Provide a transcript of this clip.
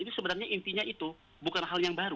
ini sebenarnya intinya itu bukan hal yang baru